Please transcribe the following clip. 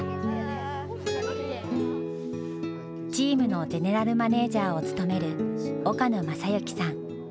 チームのゼネラルマネージャーを務める岡野雅行さん。